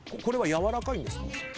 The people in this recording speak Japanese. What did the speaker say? これはやわらかいんですか？